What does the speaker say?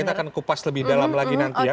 kita akan kupas lebih dalam lagi nanti ya